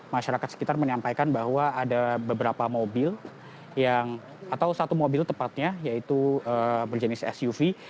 masyarakat sekitar menyampaikan bahwa ada beberapa mobil yang atau satu mobil tepatnya yaitu berjenis suv